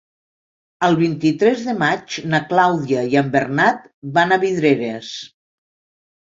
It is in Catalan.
El vint-i-tres de maig na Clàudia i en Bernat van a Vidreres.